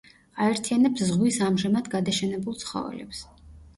აერთიანებს ზღვის ამჟამად გადაშენებულ ცხოველებს.